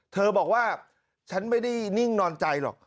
เธอบอกว่าฉันไม่ได้นิ่งนอนใจหรอก